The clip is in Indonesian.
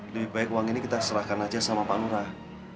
lebih baik uang ini kita serahkan aja sama pak lurah